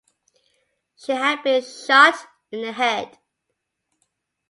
She had been shot in the head.